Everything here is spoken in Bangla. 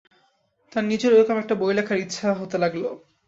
তাঁর নিজেরও এরকম একটি বই লেখার ইচ্ছা হতে লাগল।